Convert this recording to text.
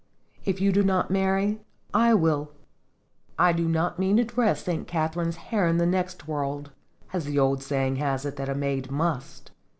If you do not marry, I 40 Singed will, /do not mean to dress St. Catharine's hair in the next world, as the old saying has it that a maid must!"